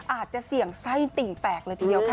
อาจจะเสี่ยงไส้ติ่งแตกเลยทีเดียวค่ะ